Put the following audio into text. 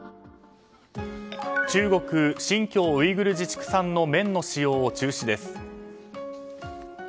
中国・新疆ウイグル自治区産の綿の使用を中止です。